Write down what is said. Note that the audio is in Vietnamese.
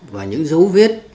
và những dấu vết